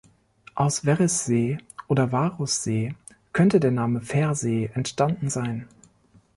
Aus Verres-See oder Varus-See könnte der Name Pfersee entstanden sein.